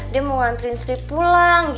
dia mau mengantri saya pulang